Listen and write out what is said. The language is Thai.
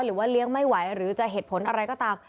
หรือว่าเลี้ยงไม่ไหวหรือจะเหตุผลอะไรก็ตาม